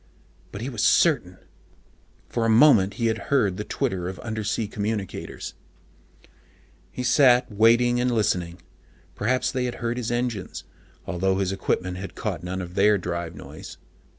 But he was certain: for a moment he had heard the twitter of undersea communicators. He sat waiting and listening. Perhaps they had heard his engines, although his own equipment had caught none of their drive noise.